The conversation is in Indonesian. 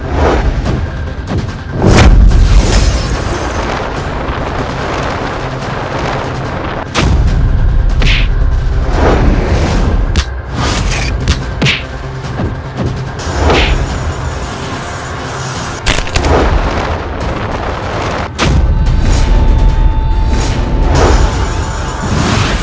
masuklah ke dalam